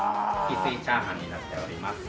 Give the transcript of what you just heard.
翡翠チャーハンになっております。